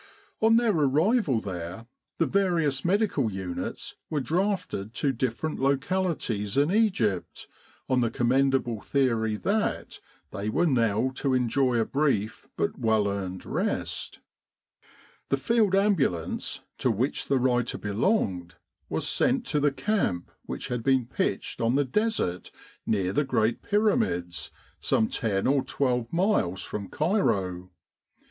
On their arrival there, the various medical units were drafted to different localities in Egypt on the commendable theory that they were now to enjoy a brief but well earned rest : the Field Ambulance to which the writer belonged was sent to the camp which had been pitched on the Desert near the Great Pyramids some ten or twelve miles from Cairo.